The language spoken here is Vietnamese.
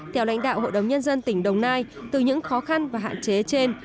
theo lãnh đạo hội đồng nhân dân tỉnh đồng nai từ những khó khăn và hạn chế trên